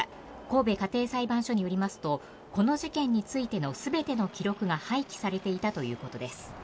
神戸家庭裁判所によりますとこの事件についての全ての記録が廃棄されていたということです。